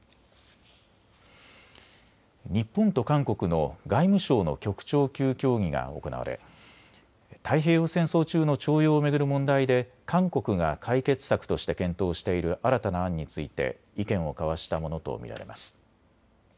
日本と韓国の外務省の局長級協議が行われ太平洋戦争中の徴用を巡る問題で韓国が解決策として検討している新たな案について意見を交わしたものと見られます。